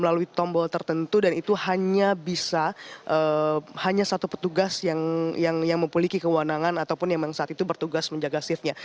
melalui tombol tertentu dan itu hanya bisa hanya satu petugas yang memiliki kewenangan ataupun yang saat itu bertugas menjaga shiftnya